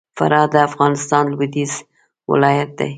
فراه د افغانستان لوېدیځ ولایت دی